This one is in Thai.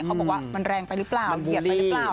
เขาบอกว่ามันแรงไปหรือเปล่าเหยียบไปหรือเปล่า